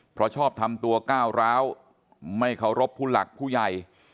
เพราะชอบทำตัวก้าวร้าวไม่เคารพผู้หลักผู้ใหญ่